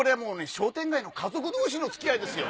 商店街の家族同士の付き合いですよ。